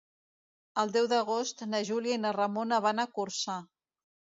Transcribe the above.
El deu d'agost na Júlia i na Ramona van a Corçà.